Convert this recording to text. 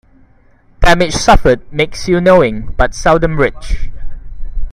Damage suffered makes you knowing, but seldom rich.